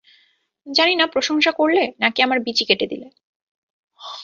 জানি না প্রশংসা করলে, নাকি আমার বিচি কেটে দিলে।